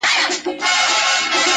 د ازلي قهرمانانو وطن!!